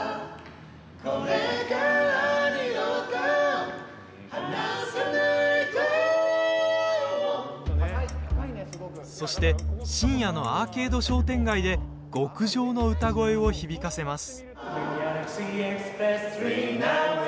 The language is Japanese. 「これから二度と離さないと」そして深夜のアーケード商店街で極上の歌声を響かせます。